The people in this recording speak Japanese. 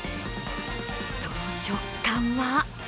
その食感は？